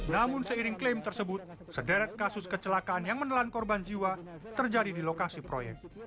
namun seiring klaim tersebut sederet kasus kecelakaan yang menelan korban jiwa terjadi di lokasi proyek